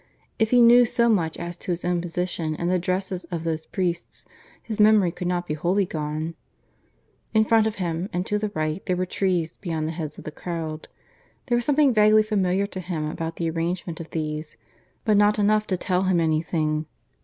If he knew so much as to his own position and the dresses of those priests, his memory could not be wholly gone. In front of him and to the right there were trees, beyond the heads of the crowd. There was something vaguely familiar to him about the arrangement of these, but not enough to tell him anything.